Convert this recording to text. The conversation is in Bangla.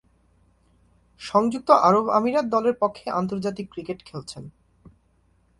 সংযুক্ত আরব আমিরাত দলের পক্ষে আন্তর্জাতিক ক্রিকেট খেলছেন।